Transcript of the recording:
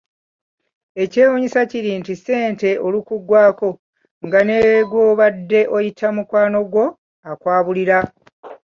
Ekyewuunyisa kiri nti ssente olukuggwaako nga ne gw'obadde oyita mukwano gwo akwabulira.